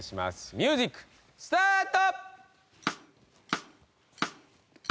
ミュージックスタート！